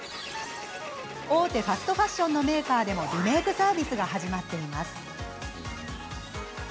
大手ファストファッションのメーカーでもリメークサービスが始まっています。